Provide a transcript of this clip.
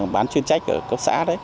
bán chuyên trách ở cấp xã